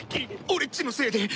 俺っちのせいで。